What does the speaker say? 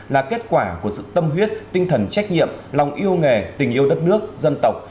là kết quả của sự tâm huyết tinh thần trách nhiệm lòng yêu nghề tình yêu đất nước dân tộc